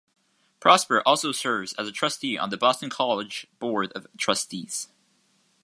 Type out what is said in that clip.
Prosper also serves as a trustee on the Boston College Board of Trustees.